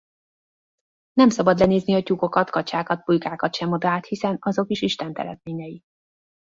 Nem szabad lenézni a tyúkokat, kacsákat, pulykákat sem odaát, hiszen azok is Isten teremtményei.